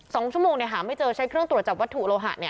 สองชั่วโมงหาไม่เจอใช้เครื่องตรวจจับวัตถุโลหะ